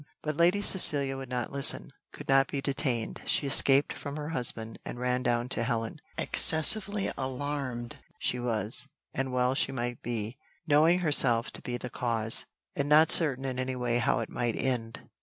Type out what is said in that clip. But Lady Cecilia would not listen, could not be detained; she escaped from her husband, and ran down to Helen. Excessively alarmed she was, and well she might be, knowing herself to be the cause, and not certain in any way how it might end.